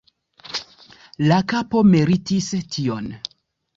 La kapo meritis tion.